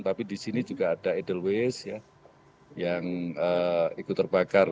tapi di sini juga ada edelweiss yang ikut terbakar